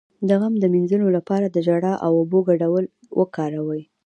د غم د مینځلو لپاره د ژړا او اوبو ګډول وکاروئ